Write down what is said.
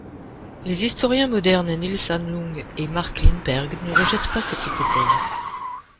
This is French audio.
Les historiens modernes Nils Ahnlund et Mark Lindberg ne rejettent pas cette hypothèse.